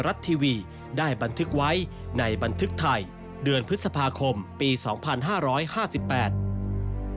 การบริจาคสังขารก็เช่นกันล้วนแฝงไปด้วยคติธรรมที่หลวงพระคูณบริสุทธโธมักมีคำสอนด้วยภาษาที่เข้าใจง่ายตรงไป